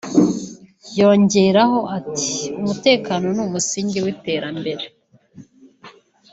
yongeraho ati ”Umutekano ni umusingi w’iterambere”